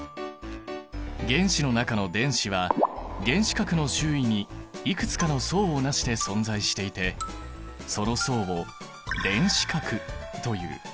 原子の中の電子は原子核の周囲にいくつかの層をなして存在していてその層を電子殻という。